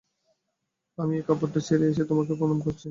আমি এই কাপড়টা ছেড়ে এসে তোমাকে প্রণাম করছি।